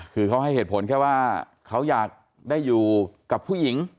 คือเขาให้เหตุผลแค่ว่าเขาอยากได้อยู่กับผู้หญิง